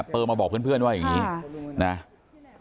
เบอร์มาบอกเพื่อนว่าอย่างนี้นะ